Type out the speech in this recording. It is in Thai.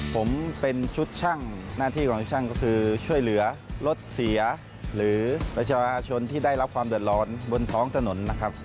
ผมเป็นชุดช่างหน้าที่ของช่างก็คือช่วยเหลือรถเสียหรือประชาชนที่ได้รับความเดือดร้อนบนท้องถนนนะครับ